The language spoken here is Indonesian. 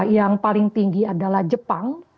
yang paling tinggi adalah jepang